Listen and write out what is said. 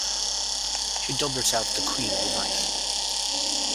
She dubbed herself the "Queen of the Night".